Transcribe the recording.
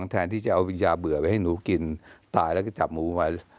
แทนที่จะเอายาเบลอไว้ให้หนูกินตายแล้วก็จับหนูมา